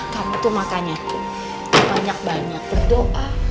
kamu tuh makanya tuh banyak banyak berdoa